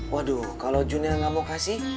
waduh kalo junnya gak mau kasih